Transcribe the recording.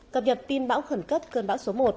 cập nhật tin bão khẩn cấp cơn bão số một